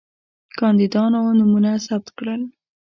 کاندیدانو نومونه ثبت کړل.